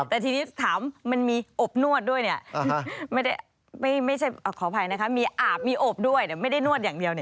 แต่ทีนี้ถามมันมีอบนวดด้วยเนี่ยไม่ใช่ขออภัยนะคะมีอาบมีอบด้วยไม่ได้นวดอย่างเดียว